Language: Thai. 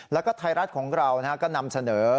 แล้วก็ไทยรัฐของเราก็นำเสนอ